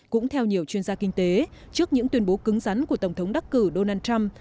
cũng theo nhiều chuyên gia kinh tế trước những tuyên bố cứng rắn của tổng thống đắc cử donald trump